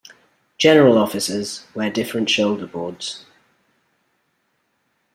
General officers wear different shoulder boards.